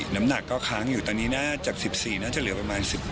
น้ำหนักก็ค้างอยู่ตอนนี้น่าจะ๑๔น่าจะเหลือประมาณ๑๕